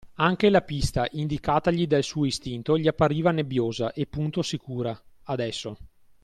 Anche la pista indicatagli dal suo istinto gli appariva nebbiosa e punto sicura, adesso.